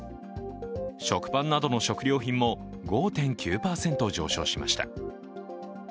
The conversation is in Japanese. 食パンなどの食料品も５．９％上昇しました。